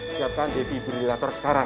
siapkan defibrillator sekarang